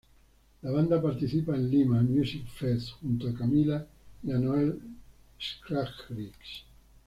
La banda participa en Lima Music Fest junto a Camila y a Noel Schajris.